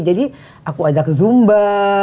jadi aku ajak ke zumba